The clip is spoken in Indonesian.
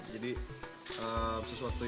jadi sesuatu itu